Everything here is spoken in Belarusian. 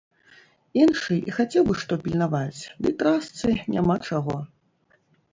Іншы і хацеў бы што пільнаваць, ды трасцы, няма чаго!